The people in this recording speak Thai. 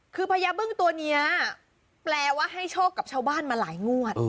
คือพญาบึ้งตัวนี้แปลว่าให้โชคกับชาวบ้านมาหลายงวด